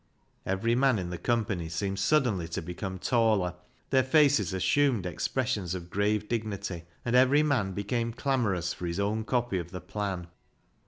Every man in the company seemed suddenly to become taller, their faces assumed expres sions of grave dignity, and every man became clamorous for his own copy of the plan.